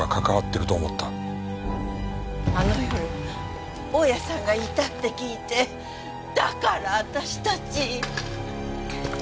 あの夜大家さんがいたって聞いてだから私たち！